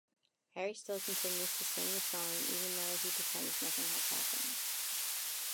Harry still continues to sing the song, even though he pretends nothing has happened.